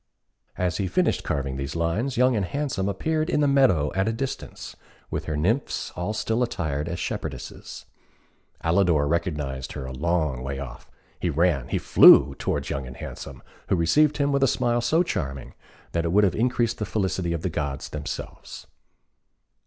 As he finished carving these lines, Young and Handsome appeared in the meadow at a distance, with her nymphs all still attired as shepherdesses. Alidor recognised her a long way off. He ran he flew towards Young and Handsome, who received him with a smile so charming, that it would have increased the felicity of the gods themselves.